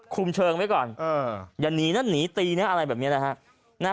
คุมเชิงไว้ก่อนอย่าหนีนะหนีตีนะอะไรแบบนี้นะฮะ